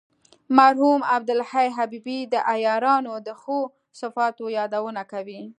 مرحوم عبدالحی حبیبي د عیارانو د ښو صفاتو یادونه کوي.